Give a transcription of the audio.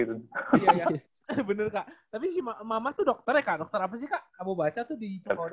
iya iya bener kak tapi mama tuh dokter ya kak dokter apa sih kak kamu baca tuh di cekoda tuh